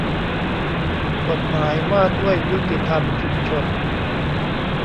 กฎหมายว่าด้วยยุติธรรมชุมชน